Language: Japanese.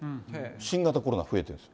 新型コロナ増えてるんです。